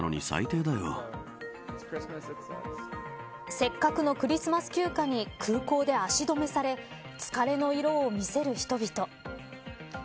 せっかくのクリスマス休暇に空港で足止めされ疲れの色を見せる人々。